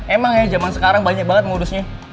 emang ya zaman sekarang banyak banget modusnya